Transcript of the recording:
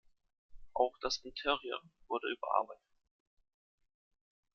Auch das Interieur wurde überarbeitet.